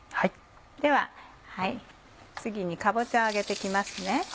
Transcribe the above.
では次にかぼちゃを揚げて行きます。